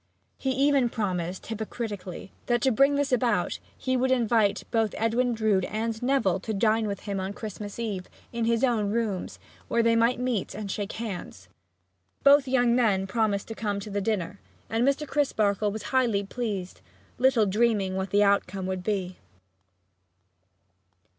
He even promised, hypocritically, that to bring this about he would invite both Edwin Drood and Neville to dine with him on Christmas Eve, in his own rooms, where they might meet and shake hands. Both young men promised to come to the dinner, and Mr. Crisparkle was highly pleased, little dreaming what the outcome would be.